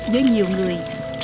với nhiều người